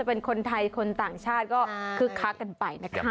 โปรดติดตามต่อไป